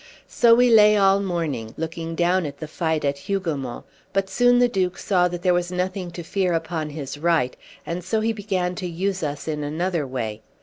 So we lay all morning, looking down at the fight at Hougoumont; but soon the Duke saw that there was nothing to fear upon his right, and so he began to use us in another way.